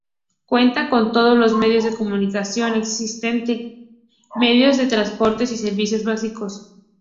Cuenta con todos los medios de comunicación existente, medios de transportes y servicios básicos.